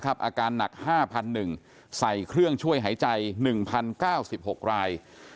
อาการหนัก๕๑๐๐ใส่เครื่องช่วยหายใจ๑๐๙๖ราย